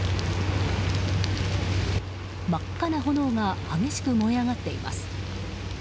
真っ赤な炎が激しく燃え上がっています。